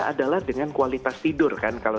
adalah dengan kualitas tidur kan kalau